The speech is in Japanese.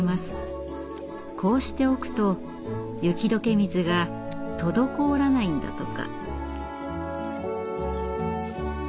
こうしておくと雪解け水が滞らないんだとか。